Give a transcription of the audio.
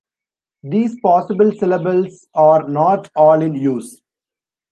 These possible syllables are not "all" in use.